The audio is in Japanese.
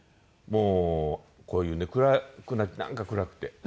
もうこういうねなんか暗くて。